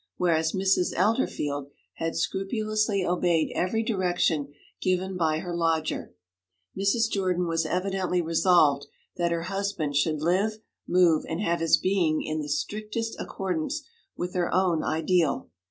Whereas Mrs. Elderfield had scrupulously obeyed every direction given by her lodger, Mrs. Jordan was evidently resolved that her husband should live, move, and have his being in the strictest accordance with her own ideal.